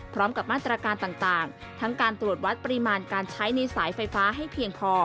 พร้อมกับมาตรการต่างทั้งการตรวจวัดปริมาณการใช้ในสายไฟฟ้าให้เพียงพอ